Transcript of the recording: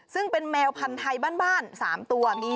ซึ่งเป็นแมวพันธุ์ไทยบ้าน๓ตัว